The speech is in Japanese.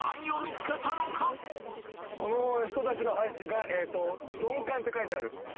この人たちの配置が「ドンカン」って書いてある。